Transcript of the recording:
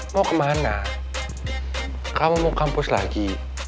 mau kemana kamu mau kampus lagi